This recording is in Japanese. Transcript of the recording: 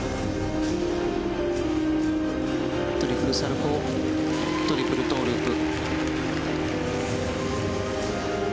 トリプルサルコウトリプルトウループ。